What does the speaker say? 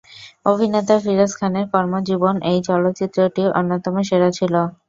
অভিনেতা ফিরোজ খানের কর্মজীবনে এই চলচ্চিত্রটি অন্যতম সেরা ছিলো।